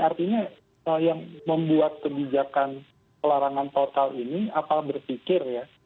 artinya yang membuat kebijakan pelarangan total ini apa berpikir ya